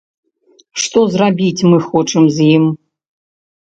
Што зрабіць мы хочам з ім.